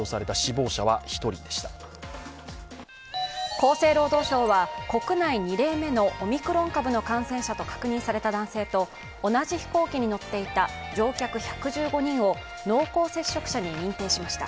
厚生労働省は、国内２例目のオミクロン株の感染者と確認された男性と同じ飛行機に乗っていた乗客１１５人を濃厚接触者に認定しました。